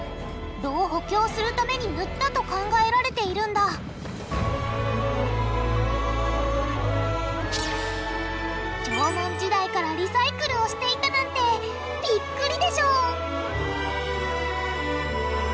炉を補強するために塗ったと考えられているんだ縄文時代からリサイクルをしていたなんてビックリでしょ！？